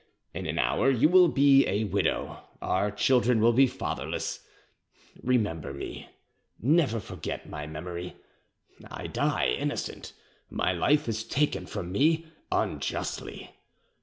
In an hour you will be a widow, our children will be fatherless: remember me; never forget my memory. I die innocent; my life is taken from me unjustly.